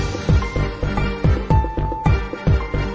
เห็นไหม